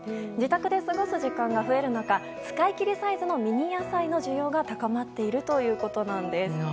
自宅で過ごす時間が増える中使い切りサイズのミニ野菜の需要が高まっているということです。